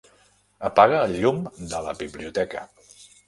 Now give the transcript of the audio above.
Apaga el llum de la biblioteca.